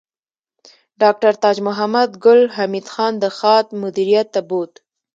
ډاکټر تاج محمد ګل حمید خان د خاد مدیریت ته بوت